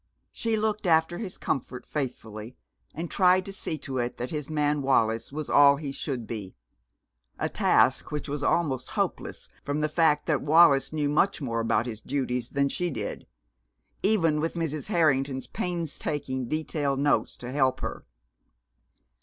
She looked after his comfort faithfully, and tried to see to it that his man Wallis was all he should be a task which was almost hopeless from the fact that Wallis knew much more about his duties than she did, even with Mrs. Harrington's painstakingly detailed notes to help her.